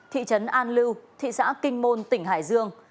thị trấn an lưu thị xã kinh môn tỉnh hải dương